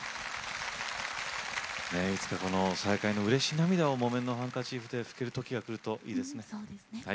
いつか再会のうれし涙を木綿のハンカチーフで拭くときがくるといいですね。